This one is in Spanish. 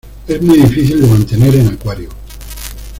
Es muy difícil de mantener en acuario.